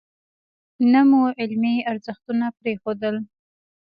نه مو علمي ارزښتونه پرېښودل.